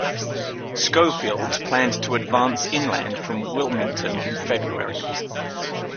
Schofield planned to advance inland from Wilmington in February.